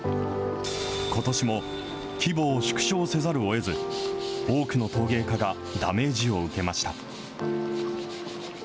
ことしも規模を縮小せざるをえず、多くの陶芸家がダメージを受けました。